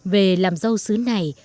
về làm dâu xứ này